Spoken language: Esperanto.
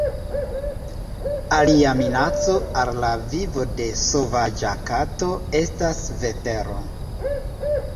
Alia minaco al la vivo de sovaĝa kato estas vetero.